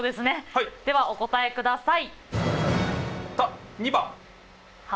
ではお答えください。